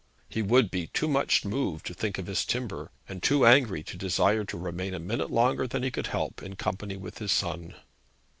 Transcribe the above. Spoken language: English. He would be too much moved to think of his timber, and too angry to desire to remain a minute longer than he could help in company with his son.